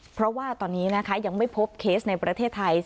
เพราะว่าตอนนี้นะคะยังไม่พบเคสในประเทศไทย